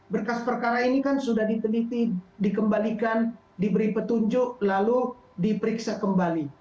berkas perkara ini kan sudah diteliti dikembalikan diberi petunjuk lalu diperiksa kembali